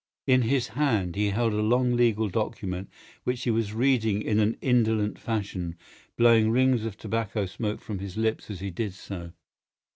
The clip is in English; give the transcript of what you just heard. In his hand he held a long legal document, which he was reading in an indolent fashion, blowing rings of tobacco smoke from his lips as he did so.